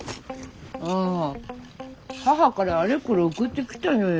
あぁ母からあれこれ送ってきたのよ。